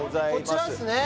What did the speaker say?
こちらっすね